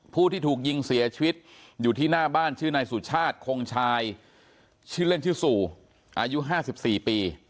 ผู้ที่ถูกยิงเสียชีวิตอยู่ที่หน้าบ้านชื่อนายสุชาติคงชายชื่อเล่นชื่อสู่อายุ๕๔ปี